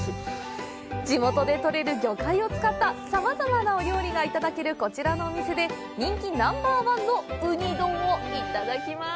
地元で取れる魚介を使ったさまざまな料理がいただけるこちらのお店で人気ナンバーワンのウニ丼をいただきます！